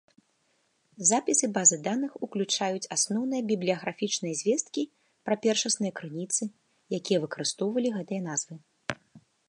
Запісы базы даных уключаюць асноўныя бібліяграфічныя звесткі пра першасныя крыніцы, якія выкарыстоўвалі гэтыя назвы.